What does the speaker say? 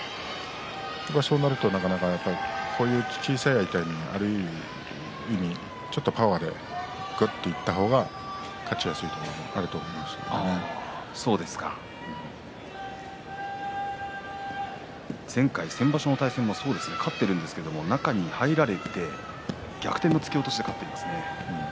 そうなると、なかなかこういう小さい相手にある意味ちょっとパワーでぐっといった方が勝ちやすいというところが先場所の対戦もそうですが勝っていますが中に入られて、逆転の突き落としで勝ったんですね。